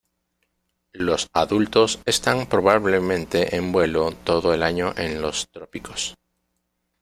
Los adultos están probablemente en vuelo todo el año en los trópicos.